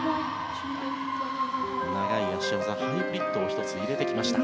長い脚技、ハイブリッドを１つ、入れてきました。